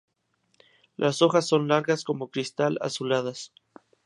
Las hojas son largas, como cristal, azuladas.